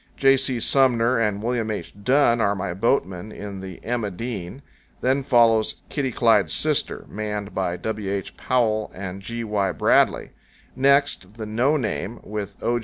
J. C. Sumner and William H. Dunn are my boatmen in the "Emma Dean"; then follows "Kitty Clyde's Sister," manned by W. H. Powell and G. Y. Bradley; next, the "No Name," with O.